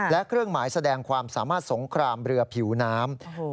และเครื่องหมายแสดงความสามารถสงครามเรือผิวน้ำ